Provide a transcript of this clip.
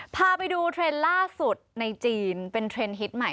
พาไปดูเทรนด์ล่าสุดในจีนเป็นเทรนด์ฮิตใหม่